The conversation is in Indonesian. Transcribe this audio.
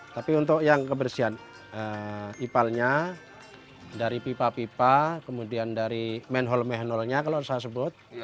tapi untuk yang kebersihan ipalnya dari pipa pipa kemudian dari manhole mahenholnya kalau saya sebut